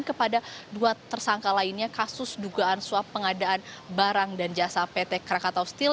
kepada dua tersangka lainnya kasus dugaan suap pengadaan barang dan jasa pt krakatau steel